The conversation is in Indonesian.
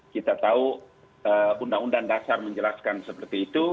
kita tahu undang undang dasar menjelaskan seperti itu